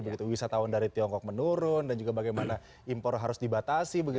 begitu wisatawan dari tiongkok menurun dan juga bagaimana impor harus dibatasi